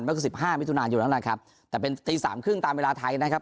ก็คือสิบห้ามิถุนายนแล้วนะครับแต่เป็นตีสามครึ่งตามเวลาไทยนะครับ